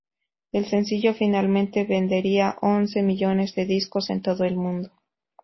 El sencillo finalmente vendería once millones de discos en todo el mundo.